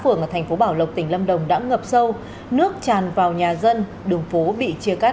phường ở thành phố bảo lộc tỉnh lâm đồng đã ngập sâu nước tràn vào nhà dân đường phố bị chia cắt